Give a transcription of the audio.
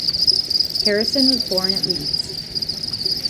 Harrison was born at Leeds.